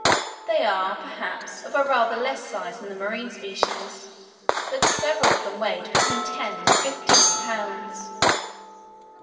They are, perhaps, of a rather less size than the marine species; but several of them weighed between ten and fifteen pounds.